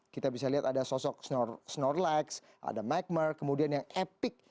kita bisa lihat ada sosok snorlax ada magmer kemudian yang epic